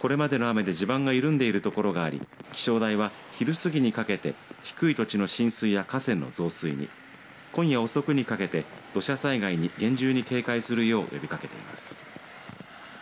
これまでの大雨で地盤が緩んでいるところがあり気象台は昼過ぎにかけて低い土地の浸水や河川の増水に今夜遅くにかけて土砂災害に厳重に警戒するよう呼びかけています。